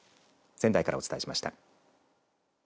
仙台からお伝えしました。